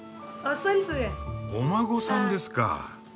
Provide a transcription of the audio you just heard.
お孫さんですか。